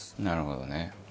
なるほどね。